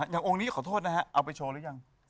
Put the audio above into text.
อย่างองค์นี้ขอโทษนะฮะเอาไปโชว์หรือยัง